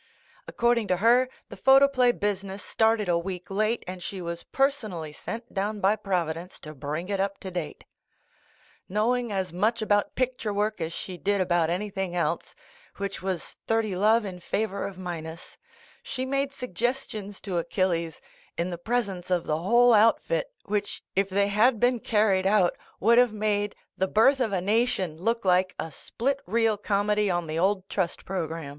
According to her, the photoplay business started a week late and she was personally sent down by Providence to bring it up to date. Knowing as much about picture work as she did about anything else, which was thirty love in favor of minus, she made sug gestions to Achilles, in the presence of the whole outfit, which, if they had been car ried out, would have made "The Birth of a Nation" look like a split reel comedy on the old trust program.